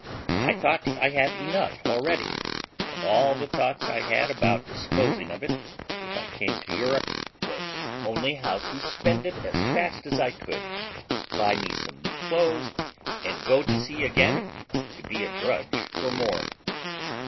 I thought I had enough already, and all the thoughts I had about disposing of it, if I came to Europe, was only how to spend it as fast as I could, buy me some clothes, and go to sea again to be a drudge for more.